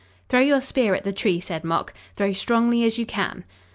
"Throw your spear at the tree," said Mok. "Throw strongly as you can."